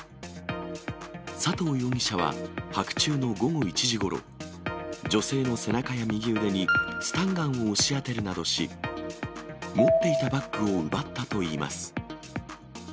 佐藤容疑者は、白昼の午後１時ごろ、女性の背中や右腕に、スタンガンを押し当てるなどし、持っていたバッグを奪ったといいます。